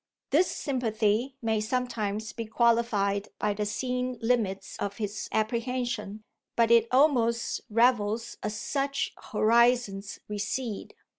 This sympathy may sometimes be qualified by the seen limits of his apprehension, but it almost revels as such horizons recede.